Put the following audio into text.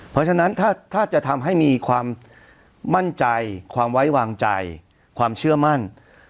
เพราะฉะนั้นถ้าจะทำให้มีความมั่นใจความไว้วางใจความเชื่อมั่น